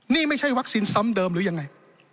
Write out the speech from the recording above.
นี่ไม่ใช่วัคซีนซ้ำเดิมหรือยังไง